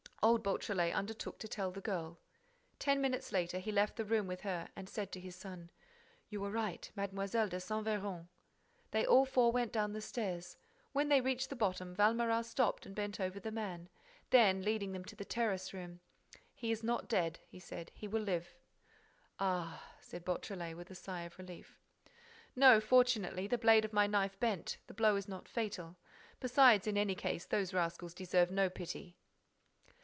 Old Beautrelet undertook to tell the girl. Ten minutes later, he left the room with her and said to his son: "You were right—Mlle. de Saint Véran—;" They all four went down the stairs. When they reached the bottom, Valméras stopped and bent over the man. Then, leading them to the terrace room: "He is not dead," he said. "He will live." "Ah!" said Beautrelet, with a sigh of relief. "No, fortunately, the blade of my knife bent: the blow is not fatal. Besides, in any case, those rascals deserve no pity."